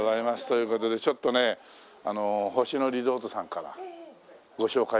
という事でちょっとね星野リゾートさんからご紹介を受けまして。